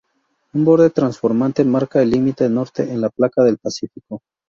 Un borde transformante marca el límite norte con la placa del Pacífico.